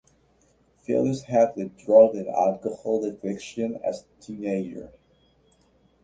Phillips had a drug and alcohol addiction as a teenager.